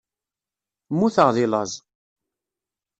Mmuteɣ deg laẓ.